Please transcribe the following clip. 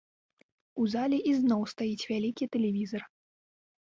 У зале ізноў стаіць вялікі тэлевізар.